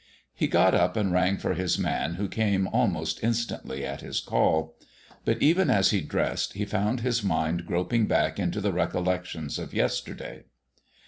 He got up and rang for his man, who came almost instantly at his call. But even as he dressed he found his mind groping back into the recollections of yesterday.